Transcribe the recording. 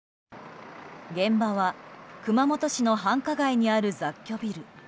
現場は熊本市の繁華街にある雑居ビル。